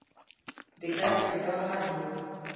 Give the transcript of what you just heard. د ګپ یې دا حد و.